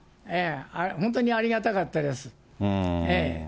本当にありがたかったです。